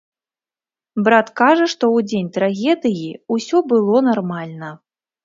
Брат кажа, што ў дзень трагедыі ўсё было нармальна.